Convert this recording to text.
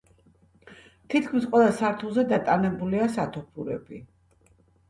თითქმის ყველა სართულზე დატანებულია სათოფურები.